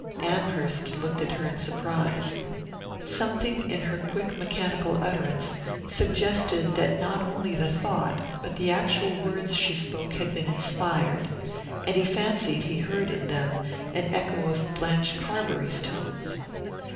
Amherst looked at her in surprise. Something in her quick mechanical utterance suggested that not only the thought but the actual words she spoke had been inspired, and he fancied he heard in them an echo of Blanche Carbury's tones.